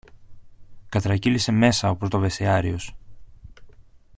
κατρακύλησε μέσα ο πρωτοβεστιάριος.